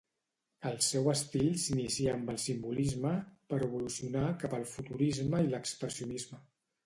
El seu estil s'inicià amb el simbolisme però evolucionà cap al futurisme i l'expressionisme.